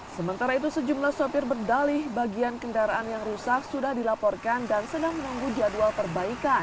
sementara itu sejumlah sopir berdalih bagian kendaraan yang rusak sudah dilaporkan dan sedang menunggu jadwal perbaikan